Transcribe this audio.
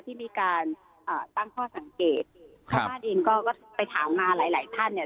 ที่มีการอ่าตั้งข้อสังเกตชาวบ้านเองก็ก็ไปถามมาหลายหลายท่านเนี่ย